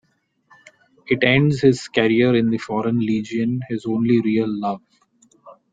It ends his career in the Foreign Legion, his only real love.